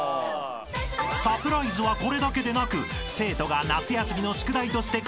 ［サプライズはこれだけでなく生徒が夏休みの宿題として］